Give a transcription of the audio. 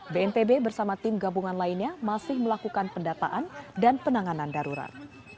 bnpb bersama tim gabungan lainnya masih melakukan pendataan dan penanganan darurat